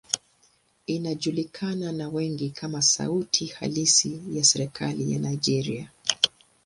Inajulikana na wengi kama sauti halisi ya serikali ya Nigeria.